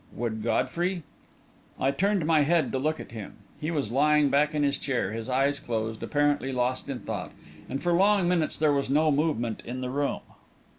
Would Godfrey? I turned my head to look at him. He was lying back in his chair, his eyes closed, apparently lost in thought, and for long minutes there was no movement in the room.